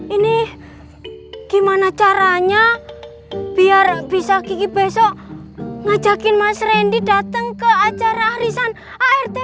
ini gimana caranya biar bisa kiki besok ngajakin mas rendy dateng ke acara arisan art penuh pelita ya